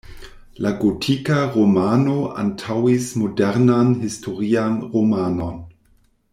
La gotika romano antaŭis modernan historian romanon.